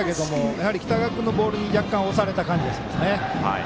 やはり北川君のボールに若干、押された感じですね。